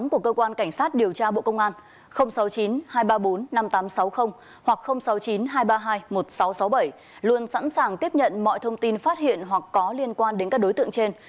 cơ quan cảnh sát điều tra bộ công an sáu mươi chín hai trăm ba mươi bốn năm nghìn tám trăm sáu mươi hoặc sáu mươi chín hai trăm ba mươi hai một nghìn sáu trăm sáu mươi bảy luôn sẵn sàng tiếp nhận mọi thông tin phát hiện hoặc có liên quan đến các đối tượng trên